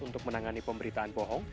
untuk menangani pemberitaan bohong